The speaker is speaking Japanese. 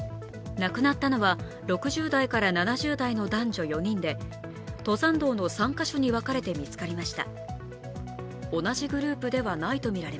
亡くなったのは６０代から７０代の男女４人で登山道の３か所に分かれて見つかりました。